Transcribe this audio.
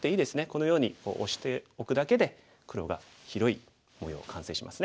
このようにオシておくだけで黒が広い模様完成します。